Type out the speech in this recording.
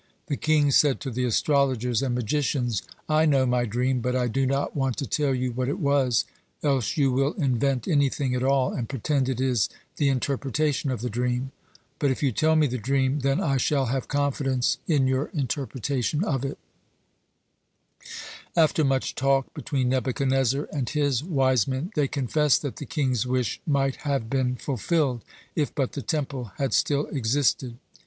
The king said to the astrologers and magicians: "I know my dream, but I do not want to tell you what it was, else you will invent anything at all, and pretend it is the interpretation of the dream. But if you tell me the dream, then I shall have confidence in your interpretation of it." After much talk between Nebuchadnezzar and his wise men, they confessed that the king's wish might have been fulfilled, if but the Temple had still existed.